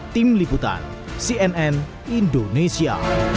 tim liputan cnn indonesia